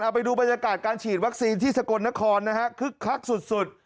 ไปดูบรรยากาศการฉีดวัคซีนที่สกลนครนะฮะคึกคักสุด